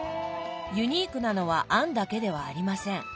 ユニークなのは餡だけではありません。